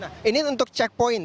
nah ini untuk checkpoint